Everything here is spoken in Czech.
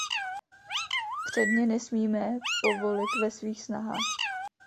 Předně nesmíme povolit ve svých snahách.